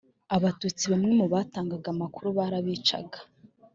abatutsi bamwe mu batangaga amakuru nabo barabicaga